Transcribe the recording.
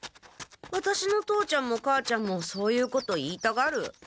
ワタシの父ちゃんも母ちゃんもそういうこと言いたがる。